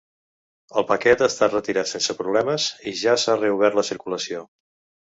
El paquet ha estat retirat sense problemes i ja s’ha reobert la circulació.